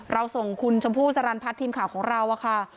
เราส่งคุณชมพู่สรรพัฒน์ทีมข่าวของเราค่ะ